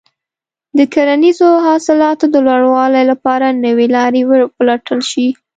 د کرنیزو حاصلاتو د لوړوالي لپاره نوې لارې وپلټل شي.